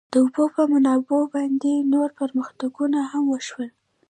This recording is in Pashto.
د اوبو په منابعو باندې نور پرمختګونه هم وشول.